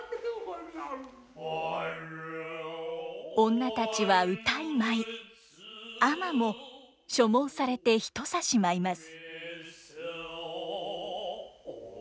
女たちは謡い舞い尼も所望されてひとさし舞います。